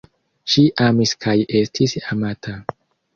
Ŝi amis kaj estis amata.